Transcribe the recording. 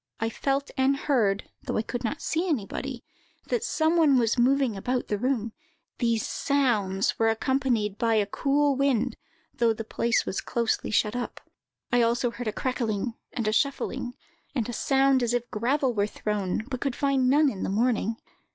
I felt and heard, though I could not see anybody, that some one was moving about the room; these sounds were accompanied by a cool wind, though the place was closely shut up. I heard also a crackling, and a shuffling, and a sound as if gravel were thrown; but could find none in the morning.